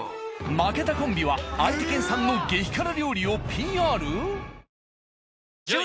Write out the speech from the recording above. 負けたコンビは相手県産の激辛料理をＰＲ！？